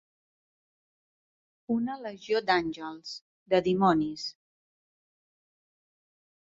Una legió d'àngels, de dimonis.